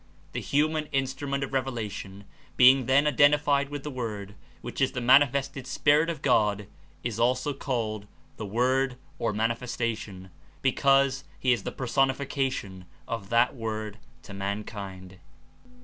The human Instrument of revelation, being then identified with the Word — which is the mani fested Spirit of God — is also called The Word or Manifestation, because He is the personification of that Word to mankind.